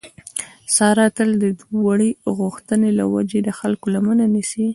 ساره تل د وړې غوښتنې له وجې د خلکو لمنه نیسي.